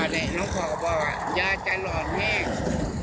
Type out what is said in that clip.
หลงพอก็บอกว่าอย่าใจหลอดแบบนั้น